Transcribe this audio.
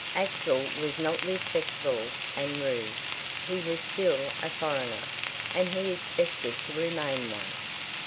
Axel was not respectable and rude. He was still a foreigner, and he expected to remain one.